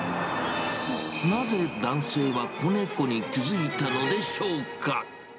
なぜ男性は子猫に気付いたのでしょうか。